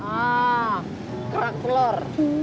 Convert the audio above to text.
ah kerak telur